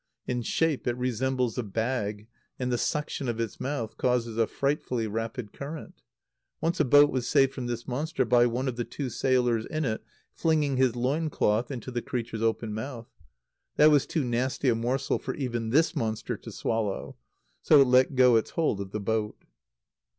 In shape it resembles a bag, and the suction of its mouth causes a frightfully rapid current. Once a boat was saved from this monster by one of the two sailors in it flinging his loin cloth into the creature's open mouth. That was too nasty a morsel for even this monster to swallow; so it let go its hold of the boat.